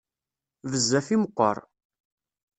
Bezzaf i meqqer.